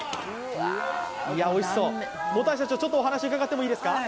おいしそう、社長、お話を伺ってもいいですか。